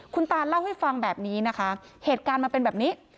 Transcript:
คุณตาเล่าให้ฟังแบบนี้นะคะเหตุการณ์มันเป็นแบบนี้